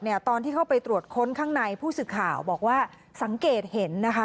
ตอนที่เข้าไปตรวจค้นข้างในผู้สื่อข่าวบอกว่าสังเกตเห็นนะคะ